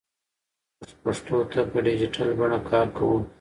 موږ پښتو ته په ډیجیټل بڼه کار کوو.